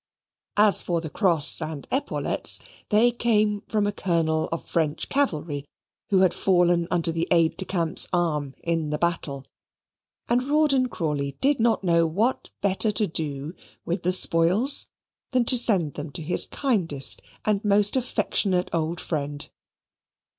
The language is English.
As for the cross and epaulets, they came from a Colonel of French cavalry, who had fallen under the aide de camp's arm in the battle: and Rawdon Crawley did not know what better to do with the spoils than to send them to his kindest and most affectionate old friend.